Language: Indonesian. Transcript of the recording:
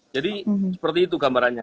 jadi seperti itu gambarannya